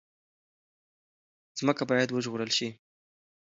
ځمکه باید وژغورل شي.